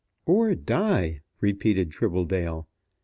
"Or die!" repeated Tribbledale.